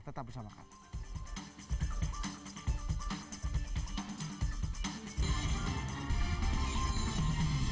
tetap bersama kami